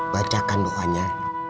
baca kan doanya